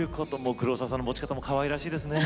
黒沢さんの持ち方もかわいらしいですね。